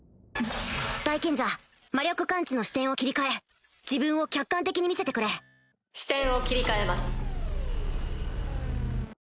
大賢者魔力感知の視点を切り替え自分を客観的に見せてくれ視点を切り替えます。